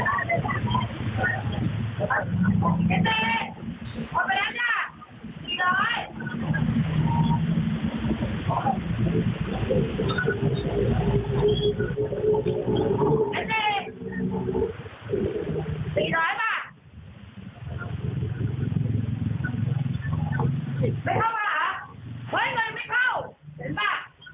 ไม่เข้ามาเหรอเฮ้ยเงินไม่เข้าเห็นป่ะ